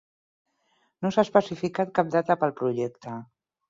No s"ha especificat cap data per al projecte.